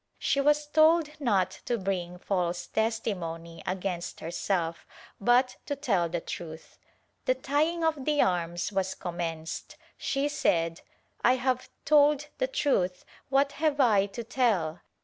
She was told not to bring false testimony against herself but to tell the truth. The tying of the arms was commenced; she said "I have told the truth; what have 1 to tell?"